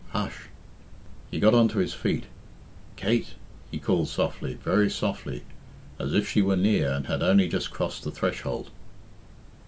Hush! He got on to his feet. "Kate!" he called softly, very softly, as if she were near and had only just crossed the threshold.